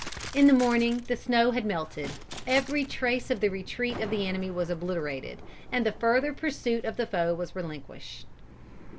In the morning the snow had melted, every trace of the retreat of the enemy was obliterated, and the further pursuit of the foe was relinquished.